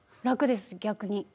楽です逆に。